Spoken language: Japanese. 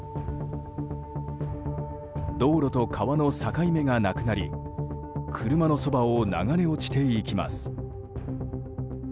道路と川の境目がなくなり車のそばを流れ落ちていきます。